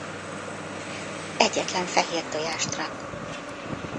Egyetlen fehér tojást rak.